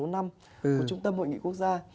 của trung tâm hội nghị quốc gia